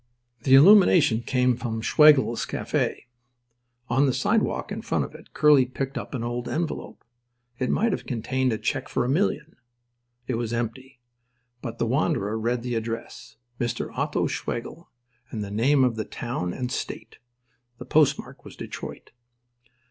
The illumination came from Schwegel's Café. On the sidewalk in front of it Curly picked up an old envelope. It might have contained a check for a million. It was empty; but the wanderer read the address, "Mr. Otto Schwegel," and the name of the town and State. The postmark was Detroit.